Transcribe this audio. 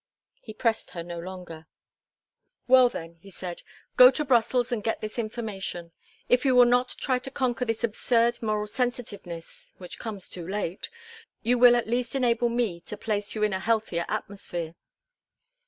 He pressed her no longer. "Well, then," he said, "go to Brussels and get this information. If you will not try to conquer this absurd moral sensitiveness which comes too late you will at least enable me to place you in a healthier atmosphere."